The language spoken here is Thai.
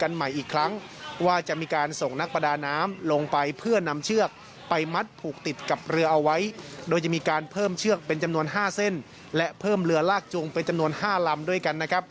อะไรอย่างนั้นสดเข้ามาครับ